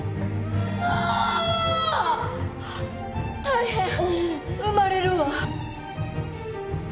大変生まれるわ。